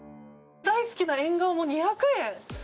大好きなエンガワも２００円。